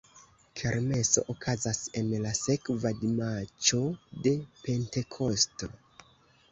Kermeso okazas en la sekva dimaĉo de Pentekosto.